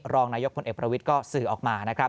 รองนายกพลเอกประวิทย์ก็สื่อออกมานะครับ